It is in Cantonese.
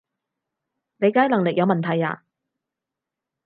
理解能力有問題呀？